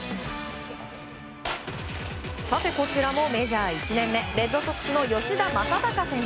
こちらもメジャー１年目レッドソックスの吉田正尚選手。